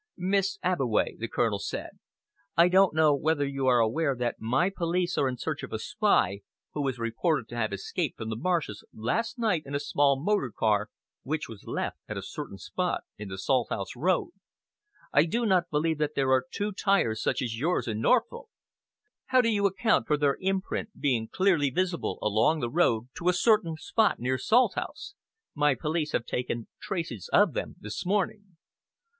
"Miss Abbeway," the Colonel said, "I don't know whether you are aware that my police are in search of a spy who is reported to have escaped from the marshes last night in a small motor car which was left at a certain spot in the Salthouse road. I do not believe that there are two tyres such as yours in Norfolk. How do you account for their imprint being clearly visible along the road to a certain spot near Salthouse? My police have taken tracings of them this morning."